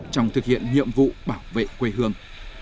trong thực hiện nhiệm vụ bảo vệ quê hương